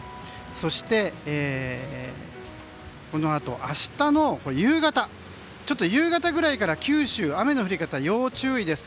そして、このあと明日のちょっと夕方ぐらいから九州、雨の降り方要注意です。